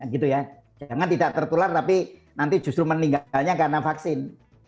jangan tidak tertular tapi nanti justru meninggalnya karena vaksin